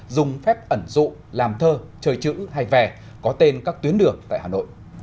dùng phép ẩn rụ làm thơ chơi chữ hay vè có tên các tuyến đường tại hà nội